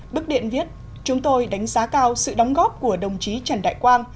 bức điện viết chúng tôi đánh giá cao sự đóng góp của đồng chí trần đại quang